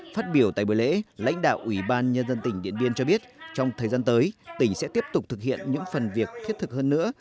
phát biểu tại bữa lễ lãnh đạo ủy ban nhân dân tỉnh điện biên cho biết trong thời gian tới tỉnh sẽ tiếp tục thực hiện những phần việc thiết thực hơn nữa